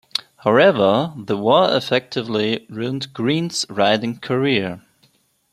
However, the war effectively ruined Greene's rising career.